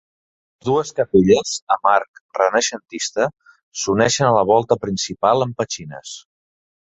Les dues capelles, amb arc renaixentista, s'uneixen a la volta principal amb petxines.